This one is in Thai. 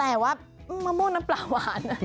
แต่ว่ามะม่วงน้ำปลาหวาน